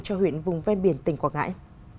cho huyện vùng ven biển tỉnh quảng ngãi